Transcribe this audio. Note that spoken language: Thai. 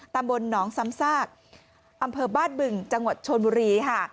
ตำบลหนองซ้ำซากอำเภอบ้านบึงจังหวัดชนบุรีค่ะ